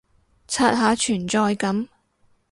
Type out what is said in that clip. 刷下存在感